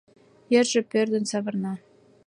Йырже пӧрдын савырна.